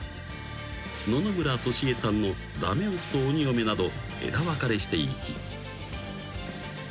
［野々村俊恵さんのダメ夫鬼嫁など枝分かれしていき］